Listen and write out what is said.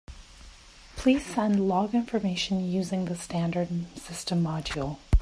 Please send log information using the standard system module.